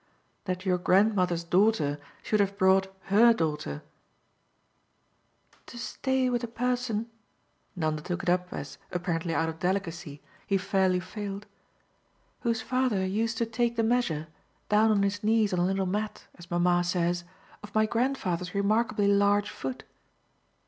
That your grandmother's daughter should have brought HER daughter " "To stay with a person" Nanda took it up as, apparently out of delicacy, he fairly failed "whose father used to take the measure, down on his knees on a little mat, as mamma says, of my grandfather's remarkably large foot?